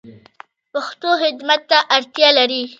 پښتو خدمت ته اړتیا لری